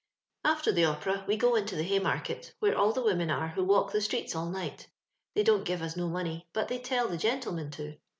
^ Aft^r the Oper&we go into the Hajmaiket, where all the women arie who walk the streets all night. They don't give us no money, but they tell the gentlemi'U to.